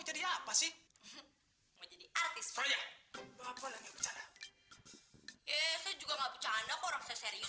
jadi apa sih jadi artis saya bapak lagi bercanda ya saya juga nggak bercanda orang saya serius